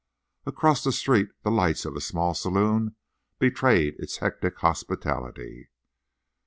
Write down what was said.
Across the street the lights of a small saloon betrayed its hectic hospitality.